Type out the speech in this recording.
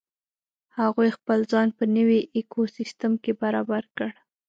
هغوی خپل ځان په نوې ایکوسیستم کې برابر کړ.